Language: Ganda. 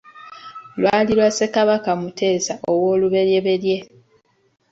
Lwali lwa Ssekabaka Muteesa ow'oluberyeberye.